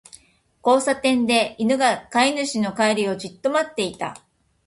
交差点で、犬が飼い主の帰りをじっと待っていた。